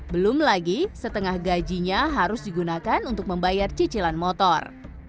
belum lagi setengah gajinya harus digunakan untuk membayar cicilan motor